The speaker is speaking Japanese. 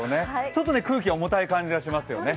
ちょっと空気が重たい感じがしますよね。